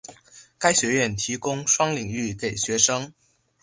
该学院提供双领域给学生。